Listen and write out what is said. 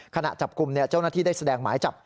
ขณะจับกลุ่มเจ้าหน้าที่ได้แสดงหมายจับ